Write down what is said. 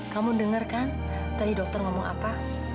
kamu dengar kan tadi dokter ngomong apa